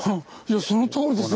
そのとおりですよ